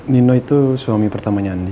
nino itu suami pertamanya andi